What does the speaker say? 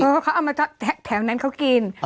เออเขาเอามาทอดแถวนั้นเขากิน